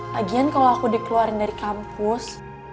lagian kalau aku dikeluarin dari kampus